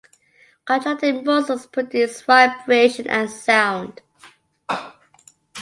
Contracting muscles produce vibration and sound.